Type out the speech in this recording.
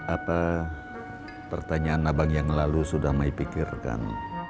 apa pertanyaan abang yang lalu sudah mai pikirkan